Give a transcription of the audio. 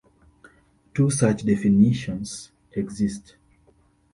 Two such definitions exist.